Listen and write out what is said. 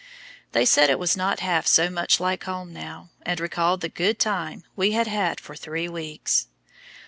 They said it was not half so much like home now, and recalled the "good time" we had had for three weeks.